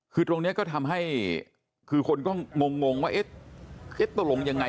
คือตรงนี้ก็ทำให้คือคนก็งงว่าเอ๊ะตกลงยังไง